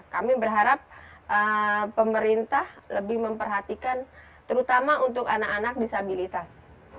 kami berharap pemerintah lebih memperhatikan terutama untuk anak anak disabilitas